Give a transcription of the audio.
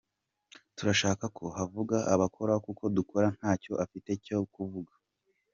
Turashaka ko havuga abakora kuko udakora ntacyo afite cyo kuvuga.